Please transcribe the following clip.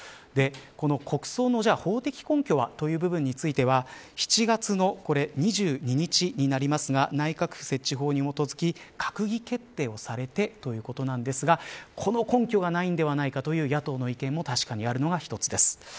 この国葬の法的根拠はという部分については７月の２２日になりますが内閣府設置法に基づき閣議決定されてということですがこの根拠がないのではないかという野党の意見も確かにあるのが１つです。